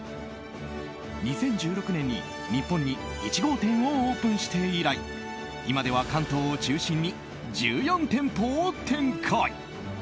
２０１６年に日本に１号店をオープンして以来今では関東を中心に１４店舗を展開。